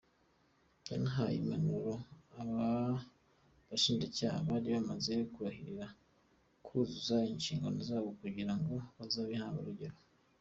Yanahaye impanuro aba bashinjacyaha bari bamaze kurahirira kuzuzuza inshingano zabo kugira ngo bazabe intangarugero.